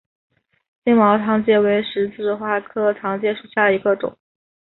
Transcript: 星毛糖芥为十字花科糖芥属下的一个种。